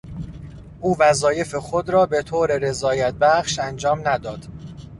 او وظایف خود را به طور رضایت بخش انجام نداد.